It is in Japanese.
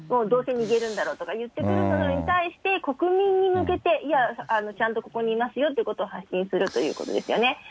どうせ逃げるんだろうとか言ってくるのに対して、国民に向けて、いや、ちゃんとここにいますよということを発信するということですよね。